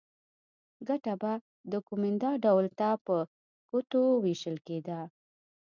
ګټه به د کومېندا ډول ته په کتو وېشل کېده.